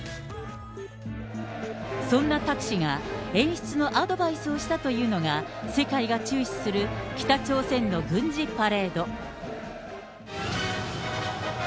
そんなタク氏が、演出のアドバイスをしたというのが、世界が注視する、北朝鮮の軍事パレード。